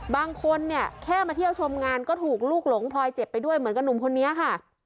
บางคนเนี่ยแค่มาเที่ยวชมงานก็ถูกลูกหลงพลอยเจ็บไปด้วยเหมือนกับหนุ่มคนนี้ค่ะ